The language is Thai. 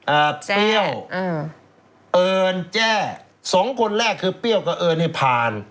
เปรี้ยวอืมเอิญแจ้สองคนแรกคือเปรี้ยวกับเอิญให้ผ่าน